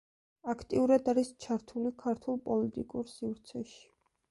აქტიურად არის ჩართული ქართულ პოლიტიკურ სივრცეში.